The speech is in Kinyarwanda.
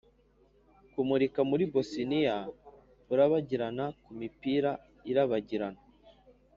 kumurika muri bosiniya, urabagirana kumipira irabagirana,